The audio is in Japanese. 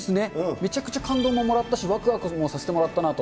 めちゃくちゃ感動ももらったし、わくわくもさせてもらったなと。